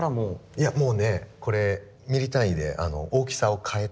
いやもうねこれミリ単位で大きさを変えて。